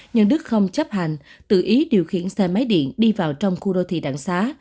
nhưng đức không chấp hành tự ý điều khiển xe máy điện đi vào trong khu đô thị đặng xá